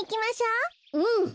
うん。